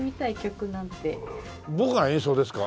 僕が演奏ですか？